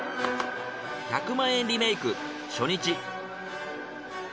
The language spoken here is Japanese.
１００万円リメイク初日。